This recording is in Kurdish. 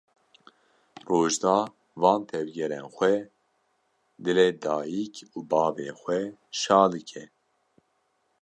Rojda van tevgerên xwe dilê dayîk û bavê xwe şa dike.